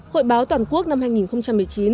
hội báo toàn quốc năm hai nghìn một mươi chín